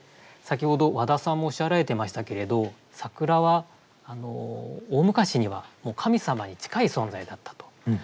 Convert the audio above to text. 先ほど和田さんもおっしゃられていましたけれど桜は大昔には神様に近い存在だったと。